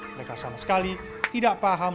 mereka sama sekali tidak paham